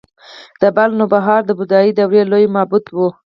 د بلخ نوبهار د بودايي دورې لوی معبد و